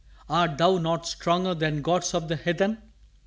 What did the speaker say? art Thou not stronger than gods of the heathen?